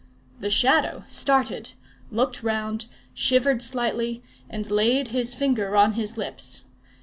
The Shadow started, looked round, shivered slightly, and laid his finger on his lips.